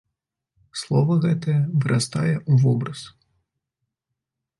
Слова гэтае вырастае ў вобраз.